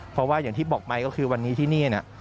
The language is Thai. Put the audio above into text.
เพราะว่าอย่างที่บอกไปก็คือวันนี้ที่นี่เนี่ย